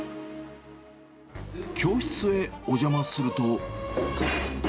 教室へお邪魔すると。